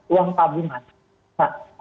uang tabungan nah